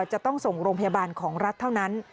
จะต้องส่งโรงพยาบาลของรัฐเท่านั้น